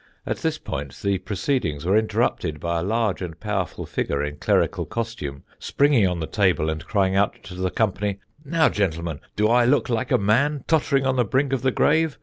At this point the proceedings were interrupted by a large and powerful figure in clerical costume springing on the table and crying out to the company: "Now, gentlemen, do I look like a man tottering on the brink of the grave?